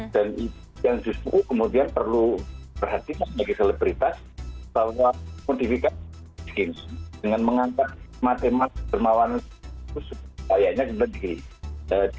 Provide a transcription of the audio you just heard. dan itu yang justru kemudian perlu diperhatikan sebagai selebritas bahwa modifikasi kemiskinan dengan mengantar matematik ketermawanan itu sepertinya lebih